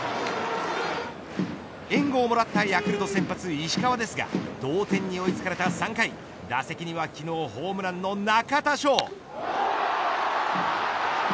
援護をもらったヤクルト先発、石川ですが同点に追いつかれた３回打席には昨日ホームランの中田翔。